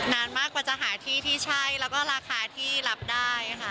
นานมากกว่าจะหาที่ที่ใช่แล้วก็ราคาที่รับได้ค่ะ